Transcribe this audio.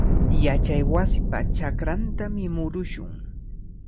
Yachaywasipa chakrantami murushun.